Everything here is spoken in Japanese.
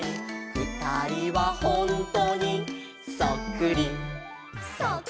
「ふたりはほんとにそっくり」「」